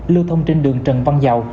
lưu thông trên đường trần văn dầu